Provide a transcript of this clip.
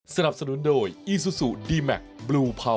สวัสดีค่ะ